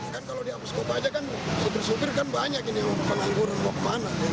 kalau di bus kopaja kan supir supir kan banyak yang mau ke mana